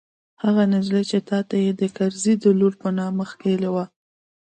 هغه نجلۍ چې تا ته يې د کرزي د لور په نامه ښييلې وه.